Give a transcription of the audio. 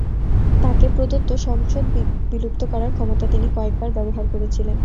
তাঁকে প্রদত্ত সংসদ বিলুপ্ত করার ক্ষমতা তিনি কয়েকবার ব্যবহার করেছিলেন।